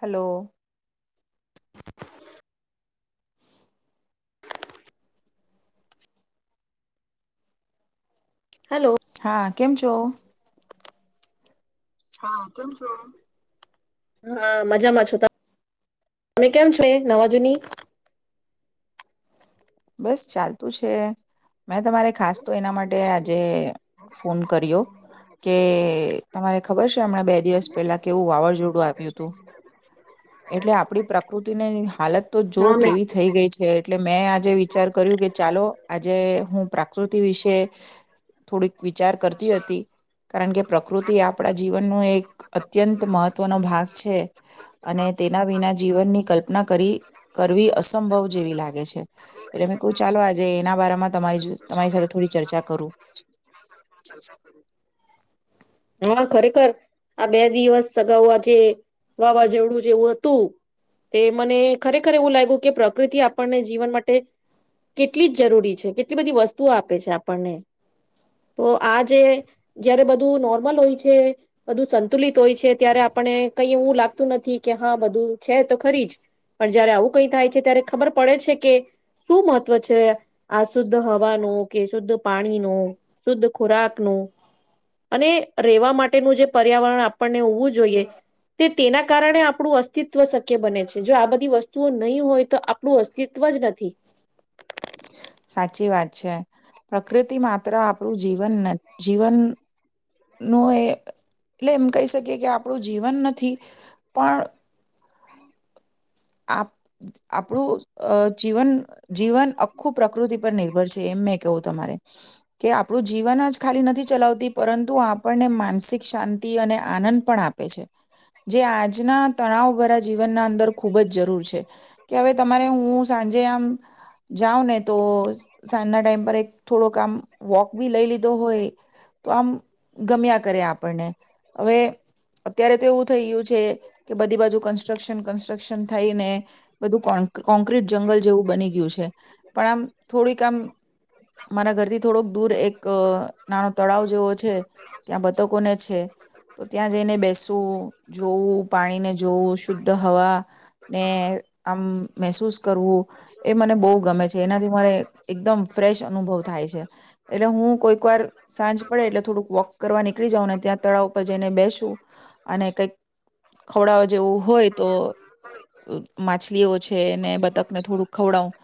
Hello. Hello. હા કેમ છો? હા, કેમ છો? હા, મજામાં છું. [inaudible] તમે કેમ છે નવા જુની? બસ ચાલતું છે. મેં તમારે ખાસ તો એના માટે આજે ફોન કર્યો, કે તમારે ખબર છ તો એમણા બે દિવસ પેલા કેવું વાવાઝોડું આવ્યું તું. એટલે આપડી પ્રકૃતિની હાલત તો જો હા મે કેવી થઈ ગઈ છે એટલે મેં આજે વી કર્યું કે ચાલો આજે હું પ્રાકૃતિ વિશે થોડીક વિચાર કરતી હતી, કારણ કે પ્રકૃતિ આપણા જીવનનું અત્યંત મહત્વનો ભાગ છે. અને તેના વિના જીવનની કલ્પના કરી કરવી અસંભવ જેવી લાગે છે. એટલે મેં કહ્યું ચાલો આજે એના બારામાં તમારી જો તમારી સાથે થોડી ચર્ચા કરું હા ખરેખર આ બે દિવસ સગાવવા જે વાવાઝોડું જેવું હતું, તે મને ખરેખર એવું લાયગું કે પ્રકૃતિ આપણને જીવન માટે કેટલી જ જરૂરી છે, કેટલી બધી વસ્તુઓ આપે છે આપણને, તો આ જે જયારે બધું નોર્મલ હોય છે બધું સંતુલિત હોય છે, ત્યારે આપણે કઈ એવું લાગતું નથી કે હા બધું છે તો ખરી જ, પણ જયારે આવું કઈ થાય છે ત્યારે ખબર પડે છે કે શું મહત્ત્વ છે, આ શુદ્ધ હવાનું, કે શુદ્ધ પાણીનું, શુદ્ધ ખોરાકનું, અને રહેેવા માટેનું જે પર્યાવરણ આપણને હોવું જોઈએ, તે તેના કારણે આપણું અસ્તિત્વ શક્ય બને છે, જો આ બધી વસ્તુઓ નહીં હોય તો આપણું અસ્તિત્વ જ નથી. સાચી વાત છે. પ્રકૃતિ માત્ર આપણું જીવન નથ જીવન નો એ એટલે એમ કહી શક કે કે આપણું જીવન નથી પણ આપ આપણું અહ જીવન-જીવન અખું પ્રકૃતિ પર નિર્ભર છે, એમ મેં કેઉ તમારે. કે આપ પણું જીવન જ ખાલી નથી ચલાવતી, પરંતુ આપણને માનસિક શાંતિ અને આનંદ પણ આપે છે, જે આજના તણાવ ભરા જીવનના અંદર ખૂબ જ જરૂર છે, કે હવે તમારે હું સાંજે આમ જાઉં ને તો સાંજના ટાઈમ પર એક થોડોક આમ વોક બી લઈ લીધો હોય, તો આમ ગમ્યા કરે આપણને. હવે અત્યારે તો એવું થઈ ગયું છે કે બધી બાજુ કન્સ્ટ્રક્શન કન્સ સ્કશન થઈને બધું કોન કોન્ક્રટ જંગલ જેવું બની ગયું છે. પણ આમ થોડીક આમ મારા ઘરથી થોડુંક દૂર એક એક નાનો તળાવ જેવો છે, ત્યાં બતકોને છે તો ત્યાં જઈને બેસવું જોવું પાણીને જોવું શુદ્ધ હવા ને આમ મહેસૂસ કરવું એ મને બહુ ગમે છે. એનાથી મને એકદમ ફ્રેશ અનુભવ થાય છે. એટલે હું સાંજ પડે એટલે થોડુંક વોક કરવા નીકળી જાવ ને ત્યાં તળાવ ઉપર જઈને બેસું. અને કંઈક ખવડાવા જેવું હોય તો માછલીઓ છે ને બતકને થોડું ખવડાવું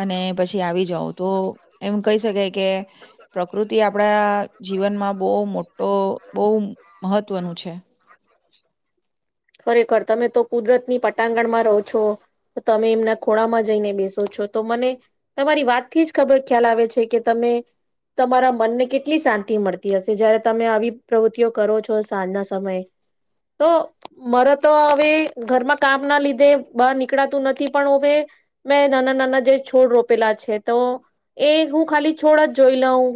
અને પછી આવી જાઉં. તો એમ કહી શકાય કે પ્રકૃ પ્રકૃતિ આપણા જીવનમાં બહુ મોટો બહુ મહત્ત્વનું છે. ખરેખર તમે તો કુદરતની પટાંગણમાં રહો છો, તમે એમના ખોણામાં જઈને બેસો છો તો મને તમારી વાતથી જ ખબર ખ્યાલ આવે છે, કે તમે તમારા મનને કેટલી શાંતિ મળતી હશે જયારે તમે આવી પ્રવૃત્તિઓ કરો છો સાંજના સમયે તો મારા તો હવે ઘરમાં કામ ના લીધે બહાર નીકળાતું નથી. પણ હવે મેં નાના નાના જે છોડ રોપેલા છે તો એ હું ખાલી છોડ જ જોઈ લઉં.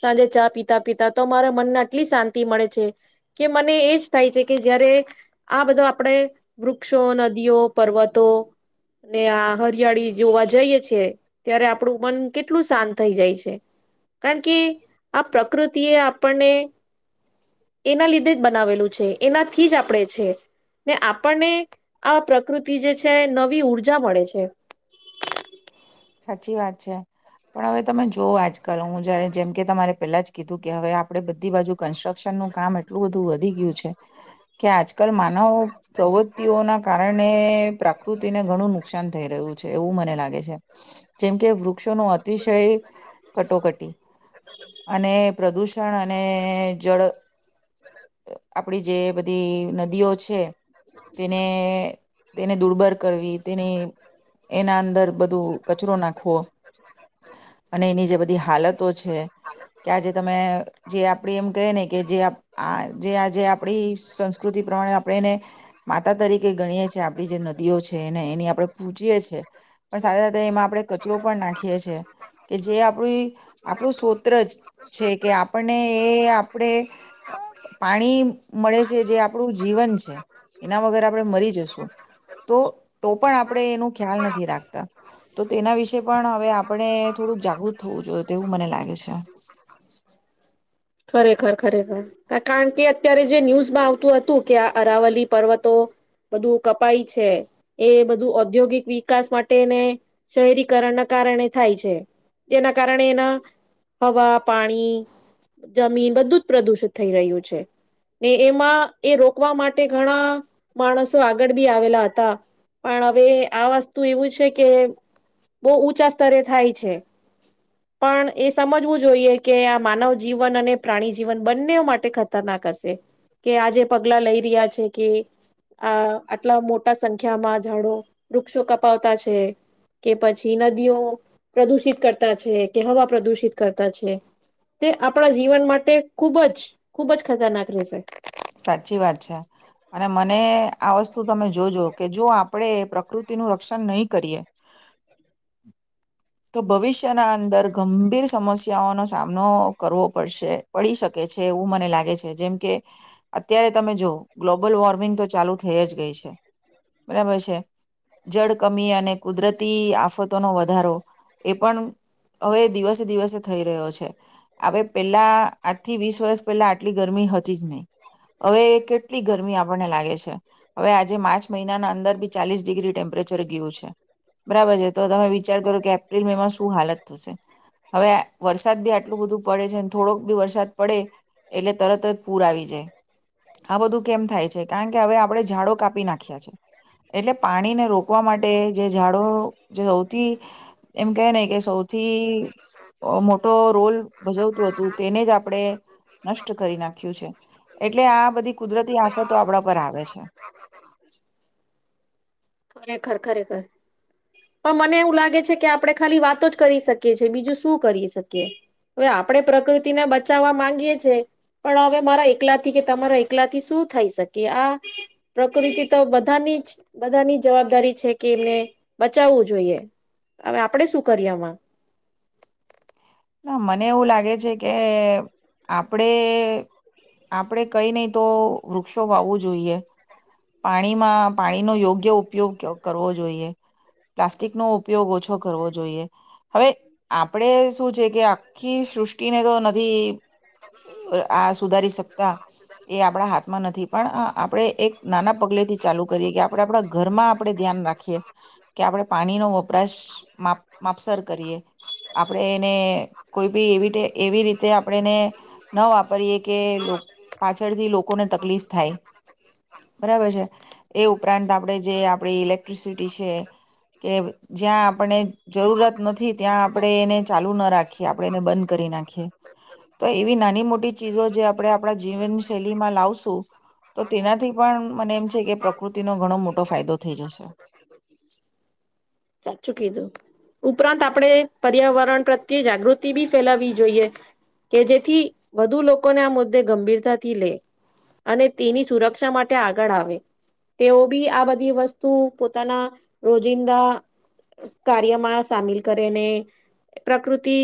સાંજે ચા પીતા પીતા તો મારા મનને આટલી શાંતિ મળે છે કે મને એજ થાય છે કે જયારે આ બધો આપણેે વૃક્ષો નદીઓ પર્વતો ને આ હરિયાળી જોવા જઈએ છે ત્યારે આપડું મન કેટલું શાંત થઈ જાય છે. કારણ કે આ પ્રકૃતિ એ આપણને એના લીધે જ બનાવેલું છે એનાથી જ આપણે છે ને આપણને આ પ્રકૃતિ જે છે નવી ઊર્જા મળે છે. સાચી વાત છે, પણ હવે તમે જોઓ આજકાલ હું જ્યારે જેમકે તમારે પહેલાં જ કીધું કે હવે આપણે બધી બાજુ કન્સ્ટ્રક્શનનું કામ એટલું બધું વધી ગયું છે. કે આજકાલ માનવ પ્રવૃત્તિઓના કારણે પ્રકૃતિને ઘણું નુકસાન થઈ રહ્યું છે, એવું મને લાગે છે. જેમ કે વૃક્ષ વૃક્ષો નો અતિશય કટોકટી અને પ્રદૂષણ અને જળ આપડી જે જે નદીઓ છે તેને તેણે દુર્બર કરવી તેની એના અંદર બધું [unintelligible] નાખવો અને એની જે બધી હાલતો છે કે આજે તમે જે આપ એમ ક ને કે જે આજે આપણી સંસ્કૃતિ તો એ આપણે એને માતા તરીકે ગણીએ છે. આપણી જે નદીઓ છે એને એની આપણે પૂજીએ છીએ. પણ સાથે સાથે એમાં આપણે કચરો પણ નાખીએ છે, કે જે આપણે આપણું સુત્ર જ છે કે આપણને એ આપણે, પાણી મળે છે જે આપણું જીવન છે, એના વગર આપણે મરી જશું, તો તો પણ આપણે એનું ખ્યાલ નથી રાખતા. તો તેના વિશેે પણ હવે આપણે થોડુંક જાગૃત થવું જોઈએ તેવું મને લાગે છે. ખરેખર ખરેખર, કારણ કે અત્યારે જે ન્યૂઝમાં આવતું હતું કે આ અરાવલી પર્વતો બધું કપાય છે, એ બધું ઔદ્યોગિક વિકાસ માટેને શહેરીકરણના કારણે થાય છે, જેના કારણે એના હવા, પાણી, જમીન બધું જ પ્રદુષિત થઈ રહ્યું છે, ને એમાં એ રોકવા માટે ઘણા, માણસો આગળ બી આવેલા હતા પણ હવે આ વસ્તુ એવું છે કે, બહુ ઊંચા સ્તરે થાય છે, પણ એ સમજવું જોઈએ કે આ માનવ જીવન અને પ્રાણી જીવન બંને માટે ખતરનાક હશે, કે આજે પગલા લઈ રહ્યા છે કે, આ આટલા મોટા સંખ્યામાં ઝાડો વૃક્ષો કપાવતા છે, કે પછી નદીઓ પ્રદુષિત કરતા છે કે હવા પ્રદુષિત કરતા છે, તે આપણા જીવન માટે ખુબ જ ખુબ જ ખતરનાક રહેશે. સાચી વાત છે, અને મને આ વસ્તુ તો તમે જોજો કે જો આપણે પ્રકૃતિનું રક્ષણ નહી કરીએ, તો ભવિષ્યના અંદર ગંભીર સમસ્યાઓનો સામનો કરવો પડશે, પડી શકે છે એવું મને લાગે છે જેમ કે અત્યારે તમે જોઓ ગ્લોબલ વોર્મિંગ તો ચાલુ થઈ જ ગઈ છે, બરાબર છે, જળ કમી અને કુદરતી આફતોનો વધારો એ પણ, હવે દિવસે દિવસે થઈ રહ્યો છે હવે પેલા આજથી વીસ વર્ષ પહેલા આટલી ગરમી હતી જ નહી. હવે કેટલી ગરમી આપણને લાગે છે, હવે આજે માર્ચ મહિનાના અંદર બી ચાલીસ ડિગ્રી ટેમ્પરેચર ગયું છે, બરાબર છે તો તમે વિચાર કરો કે એપ્રિલ મે માં શું હાલત થશે, હવે વરસાદ બી આટલું બધું પડે છે થોડોક બી વરસાદ પડે એટલે તરત જ પૂરા આવે. આ બધું કેમ થાય છે? કારણ કે હવે આપણે ઝાડો કાપી નાખ્યા છે, એટલે પાણીને રોકવા માટે જે ઝાડો જે સૌથી એમ કે ને કે સૌથી મોટો રોલ ભજવતું હતું તેને જ આપણે, નષ્ટ કરી નાખ્યું છે. એટલે આ બધી કુદરતી આફતો આપડા પર આવે છે. ખરેખર ખરેખર, પણ મને એવું લાગે છે કે આપણે ખાલી વાતો જ કરી શકીએ છે, બીજું શું કરી શકીએ? હવે આપણે પ્રકૃતિને બચાવવા માંગીએ છીએ, પણ હવે મારા એકલા થી કે તમારા એકલા થી શું થઈ શકે? કે આ પ્રકૃતિ તો બધાની જ બધાની જવાબદારી છે કે એમને બચાવવું જોઈએ, હવે આપણેે શું કરીએ આમાં? ના મને એવું લાગે છે કે આપણેે-આપણે કઈ નહી તો વૃક્ષો વાવવું જોઈએ, પાણીમાં પાણીનો યોગ્ય ઉપયોગ કરવો જોઈએ, પ્લાસ્ટિક નો ઉપયોગ ઓછો કરવો જોઈએ. હવે આપણે શું છે કે આખી સૃષ્ટિને તો નથી આ સુધારી શકતા, એ આપણા હાથમાં નથી, પણ અ-અ આપણે એક નાના પગલે થી ચાલુ કરીએ કે આપણે આપણા ઘરમાં આપણેે ધ્યાન રાખીએ, કે આપણે પાણીનો વપરાશ માપ માપસર કરીએ, આપણે એને કોઈ બી એવી ટે એવી રીતે આપણે એને ન વાપરીએ કે લોક પાછળથી લોકોને તકલીફ થાય, બરાબર છે. એ ઉપરાંત આપણેે જે આપડી ઇલેક્ટ્રિસિટી છે, કે જ્યાં આપણે જરૂરત નથી ત્યાં આપણે એને ચાલુ ન રાખ ખીએ આપણે એને બંધ કરી નાખીએ. તો એ એવી નાની મોટી ચીજો જે આપણે આપણા જીવનશૈલીમાં લાવશું, તો તેનાથી પણ મને એમ છે કે પ્રકૃતિનો ઘણો મોટો ફાયદો થઈ જશે. સાચું કીધું ઉપરાંત આપણે પર્યાવરણ પ્રત્યે જાગૃતિ બી ફેલાવી જોઈએ. કે જેથી, વધુ લોકોને આ મુદ્દે ગંભીરતાથી લેય, અને તેની સુરક્ષા માટે આગળ આવે, તેઓ બી આ બધી વસ્તુ પોતાના રોજિંદા કાર્યમાં સામેલ કરેને, પ્રકૃતિ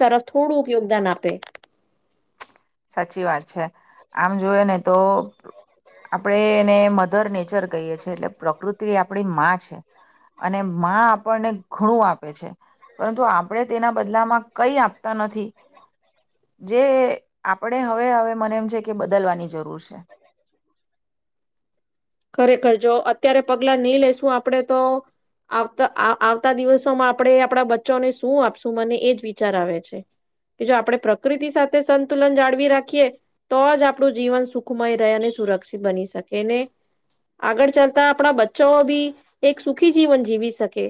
તરફ થોડુંક યોગદાન આપ પે. સાચી વાત છે. આમ જોયે ને તો આપણે એને મધર નેચર કહીએ છીએ, એટલે પ્રકૃતિ આપણી માં છે, અને માં આપણને ઘણું આપે છે, પરંતુ આપણે તેના બદલામાં કઈ આપતા નથી. જે આપણે હવે-હવે મને એમ છે કે બદલવાની જરૂર છે. ખરેખર. જો અત્યારે પગલા નહી લેેશું આપણે તો, આવતા આ આવતા દિવસોમાં આપણે આપણા બચ્ચોને શું આપશું મને એ જ વિચાર આવે છે, કે જો આપણે પ્રકૃતિ સાથે સંતુલન જાળવી રાખીએ, તો જ આપણું જીવન સુખમય રહે અને સુરક્ષિત બની શકે, ને આગળ ચાલતા આપણા બચ્ચોઓ બી એક સુખી જીવન જીવી શકે,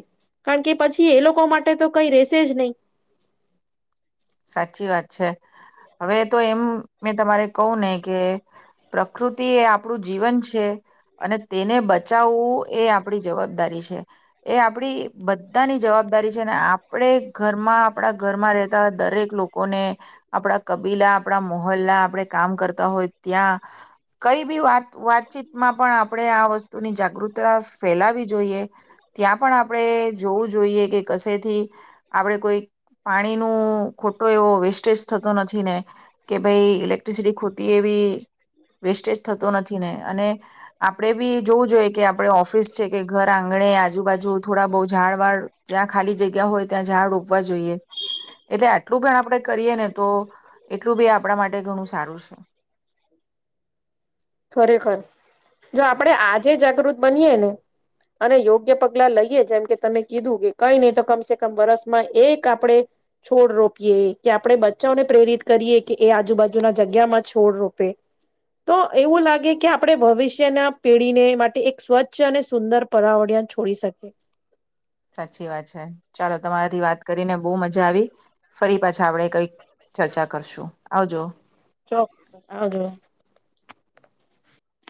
કારણ કે પછી એ લોકો માટે તો કઈ રેશે જ નહી. સાચી વાત છે. હવે તો એમ મેં તમારે કહું ને કે પ્રકૃતિ એ આપણું જીવન છે, અને તેને બચાવવું એ આપણી જવાબદારી છે. એ આપડી બધાની જવાબદારી છે ને આપણે ઘરમાં આપણા ઘરમાં રહેતા દરેક લોકોને આપડા કબીલા આપણા મહોલ્લ, આપણે કામ કરતા હોય ત્યાં, કઈ બી વાત વાતચીતમાં પણ આપણે આ વસ્તુની જાગૃતતા ફેલાવી જોઈએ, ત્યાં પણ આપણે જોવું જોઈએ કે કશેથી આપણે કોઈ પાણીનું ખોટો એવો વેસ્ટેજ થતો નથી ને. કે ભઈ ઇલેક્ટ્રિસિટી ખોટી એવી વેસ્ટેજ થતો નથી ને, અને આપડે બી જોવું જોઈએ કે આપડ ઓફિસ છે કે ઘર આંગણે આજુબાજુ થોડા બહુ ઝાડ વાળ જ્યાં ખાલી જગ્યા હોય ત્યાં ઝાડ રોપવા જોઈએ. એટલે આ પડે કરીએ ને તો એટલું બી આપણા માટે ઘણું સારું છે. ખરેખર જો આપણે આજે જાગૃત બનીએ ને, અને યોગ્ય પગલા લઈએ, જેમ કે તમે કીધું કે કંઈ નહી તો કમસે કમ વરસમાં એક આપણે છોડ રોપીએ, કે આપણે બચ્ચાને પ્રેરિત કરીએ કે એ આજુબાજુના જગ્યામાં છોડ રોપે, તો એવું લાગે કે આપણે ભવિષ્યના પેઢીને માટે એક સ્વચ્છ અને સુંદર પરાવર્યન છોડી શકીએ. સાચી વાત છે. ચાલો તમારાથી વાત કરીને બહુ મજા આવી. ફરી પાછા આપડે કઈક ચોક, આવજો.